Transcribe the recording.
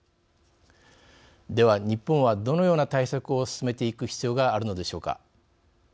では、日本はどのような対策を進めていく必要があるのでしょうか。